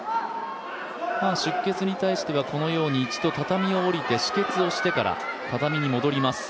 出血に対してこのように一度、畳を下りて止血をしてから畳に戻ります。